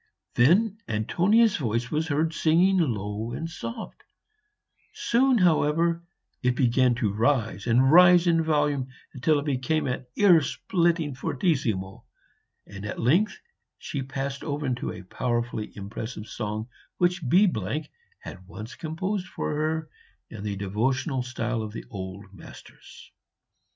Then Antonia's voice was heard singing low and soft; soon, however, it began to rise and rise in volume until it became an ear splitting fortissimo; and at length she passed over into a powerfully impressive song which B had once composed for her in the devotional style of the old masters.